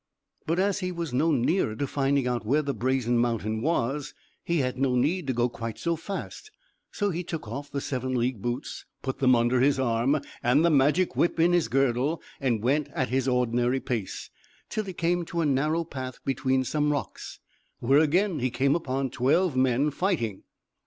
But as he was no nearer to finding out where the Brazen Mountain was, he had no need to go quite so fast; so he took off the seven league boots, put them under his arm, and the Magic Whip in his girdle, and went at his ordinary pace, till he came to a narrow path between some rocks, where again he came upon twelve men fighting.